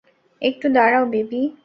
একটু দাঁড়াও, বেবি।